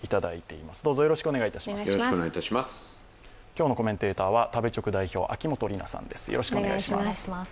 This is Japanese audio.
今日のコメンテーターは食べチョク代表秋元里奈さんです。